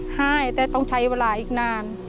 ให้แต่ต้องใช้เวลาอีกนาน